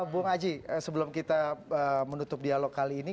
bu ngaji sebelum kita menutup dialog kali ini